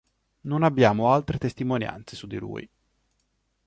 Non abbiamo altre testimonianze su di lui.